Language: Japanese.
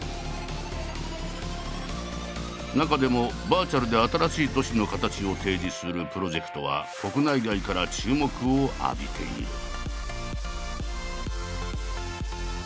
中でもバーチャルで新しい都市のカタチを提示するプロジェクトは国内外から注目を浴びている。